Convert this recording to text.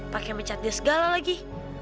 pakai mecat dia segala lagi